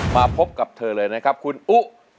มาพบกับเธอเลยนะครับคุณอุ